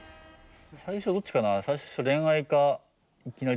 最初どっちかな？